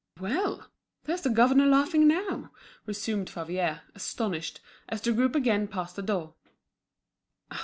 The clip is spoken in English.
"Well! there's the governor laughing now!" resumed Favier, astonished, as the group again passed the door.